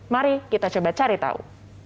mari kita coba cari tahu